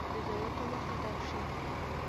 د ضایعاتو مخه ډب شي.